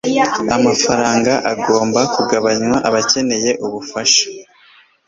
Amafaranga agomba kugabanywa kubakeneye ubufasha